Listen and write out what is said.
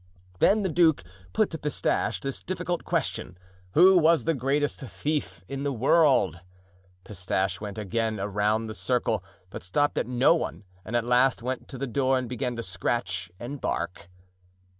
Then the duke put to Pistache this difficult question, who was the greatest thief in the world? Pistache went again around the circle, but stopped at no one, and at last went to the door and began to scratch and bark.